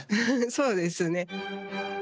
そうですね。